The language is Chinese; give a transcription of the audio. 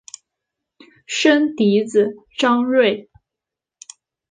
生嫡子张锐。